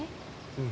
うん。